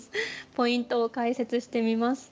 ポイントを解説してみます。